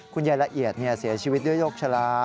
ละเอียดเสียชีวิตด้วยโรคชะลา